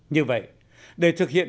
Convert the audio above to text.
như vậy để thực hiện